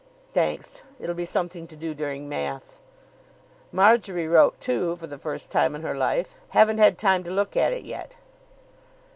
"Thanks. It'll be something to do during Math." "Marjory wrote, too, for the first time in her life. Haven't had time to look at it yet."